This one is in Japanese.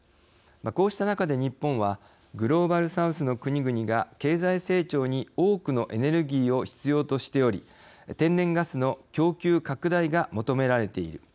こうした中で、日本はグローバル・サウスの国々が経済成長に多くのエネルギーを必要としており天然ガスの供給拡大が求められている。